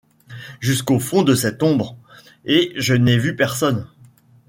Jusqu’au fond de cette ombre, et je n’ai vu personne.